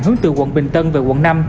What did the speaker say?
hướng từ quận bình tân về quận năm